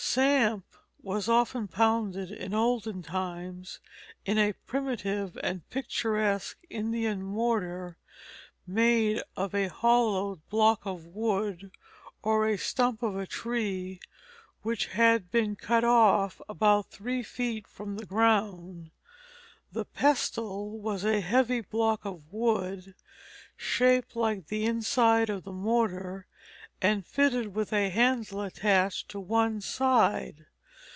Samp was often pounded in olden times in a primitive and picturesque Indian mortar made of a hollowed block of wood or a stump of a tree, which had been cut off about three feet from the ground. The pestle was a heavy block of wood shaped like the inside of the mortar, and fitted with a handle attached to one side.